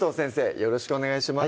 よろしくお願いします